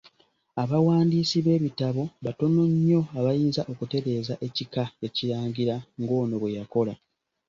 Abawandiisi b'ebitabo batono nnyo abayinza okutereeza ekika Ekirangira ng'ono bwe yakola.